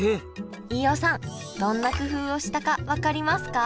飯尾さんどんな工夫をしたか分かりますか？